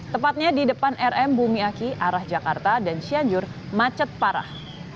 tepatnya di depan rm bumi aki arah jakarta dan cianjur macet parah